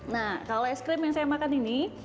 nah kalau es krim yang saya makan ini